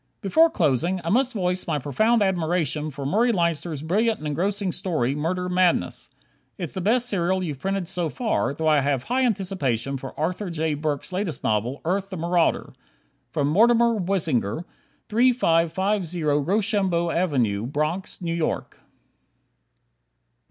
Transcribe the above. Before closing, I must voice my profound admiration for Murray Leinster's brilliant and engrossing story, "Murder Madness." It's the best serial you've printed so far; though I have high anticipation for Arthur J. Burks' latest novel, "Earth, the Marauder." Mortimer Weisinger, 3550 Rochambeau Ave., Bronx, New York.